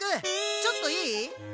ちょっといい？え？